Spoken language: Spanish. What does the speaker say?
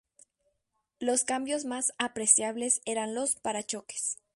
Los cambios más apreciables eran los parachoques.